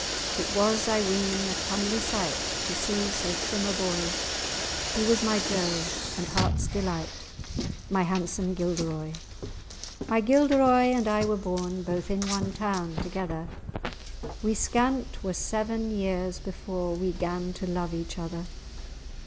It was, I ween, a comely sight To see so trim a boy; He was my jo, and heart's delight, My handsome Gilderoy. My Gilderoy and I were born Both in one town together; We scant were seven years before We 'gan to love each other.